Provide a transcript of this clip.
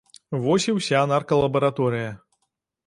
Вось і ўся наркалабараторыя.